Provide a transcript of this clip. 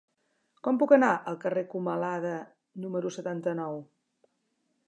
Com puc anar al carrer de Comalada número setanta-nou?